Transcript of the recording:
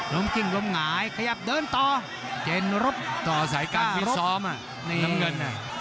กิ้งล้มหงายขยับเดินต่อเจนรบต่อสายการฟิศซ้อมน้ำเงิน